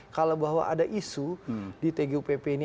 kalau bahwa ada isu di tgupp ini